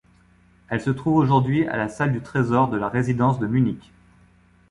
Elle se trouve aujourd'hui à la salle du trésor de la résidence de Munich.